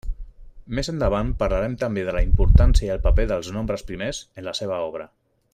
Més endavant parlarem també de la importància i el paper dels nombres primers en la seva obra.